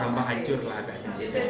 gampang hancur lah ada esensi